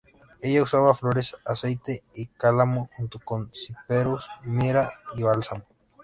Ella usaba flores, aceite y cálamo junto con cyperus, mirra y bálsamo.